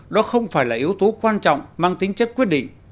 đó không phải là yếu tố quan trọng mang tính chất quyết định